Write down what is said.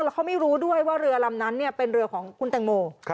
แล้วเขาไม่รู้ด้วยว่าเรือลำนั้นเป็นเรือของคุณแตงโม